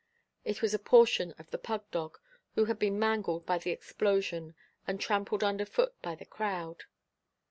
It was a portion of the pug dog, who had been mangled by the explosion and trampled underfoot by the crowd.